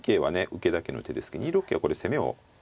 受けだけの手ですけど２六桂はこれ攻めを。